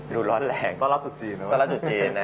ดูร้อนแรงต้อนรับจุดจีนนะครับ